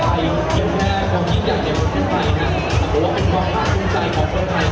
กรุงแรกของพี่ยาลีในโรงพยาบาลไทยนะก็เป็นมอเมาะภาพมอุ่นใจของคนไทยนะ